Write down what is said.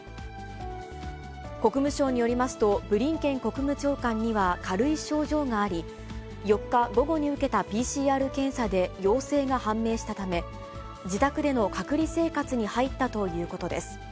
国務省によりますと、ブリンケン国務長官には軽い症状があり、４日午後に受けたＰＣＲ検査で陽性が判明したため、自宅での隔離生活に入ったということです。